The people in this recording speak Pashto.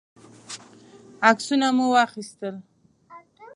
عکسونه مو واخیستل.